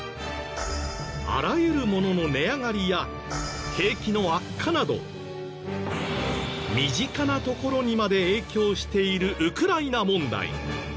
あらゆるものの値上がりや景気の悪化など身近なところにまで影響しているウクライナ問題。